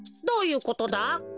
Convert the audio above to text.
どういうことだ？